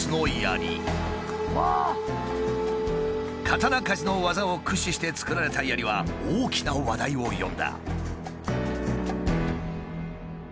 刀鍛冶の技を駆使して作られた槍は大きな話題を呼んだ。